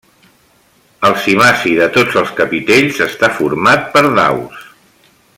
El cimaci de tots els capitells està format per daus.